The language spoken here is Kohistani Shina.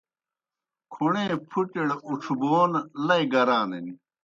کھوْݨے پُھٹِیْڑ اُڇھبون لئی گرانِن۔